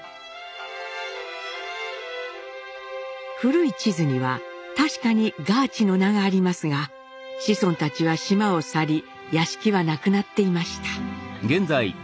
古い地図には確かにガーチの名がありますが子孫たちは島を去り屋敷は無くなっていました。